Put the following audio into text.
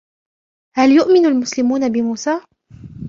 هل يؤمن المسلمون بموسى؟